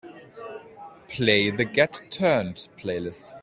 Play the Get Turnt playlist.